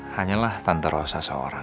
hanyalah tante rosa seorang